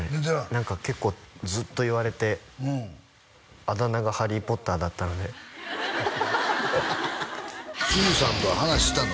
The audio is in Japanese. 何か結構ずっと言われてあだ名がハリー・ポッターだったのですずさんとは話したの？